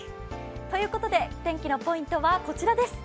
ということで、天気のポイントはこちらです。